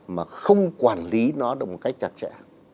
mà không quản lý nó được một cách chặt chẽ